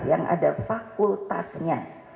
yang ada fakultasnya